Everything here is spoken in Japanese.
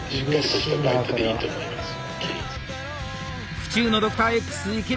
府中のドクターＸ池田